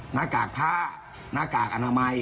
หน้ากากผ้าหน้ากากอนามัย